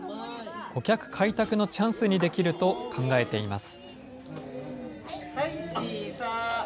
顧客開拓のチャンスにできると考えています。